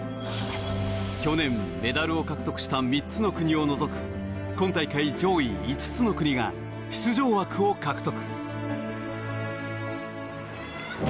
去年メダルを獲得した３つの国を除く今大会上位５つの国が出場枠を獲得。